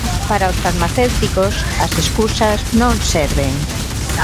Para os farmacéuticos as escusas non serven.